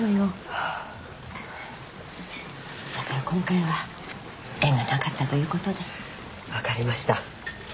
はぁだから今回は縁がなかったということで分かりました諦めます